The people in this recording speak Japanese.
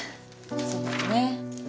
そうね。